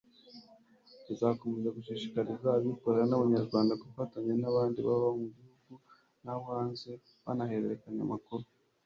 tuzakomeza gushishikariza abikorera b'abanyarwanda gufatanya n'abandi baba abo mu gihugu n'abo hanze banahererekanya amakuru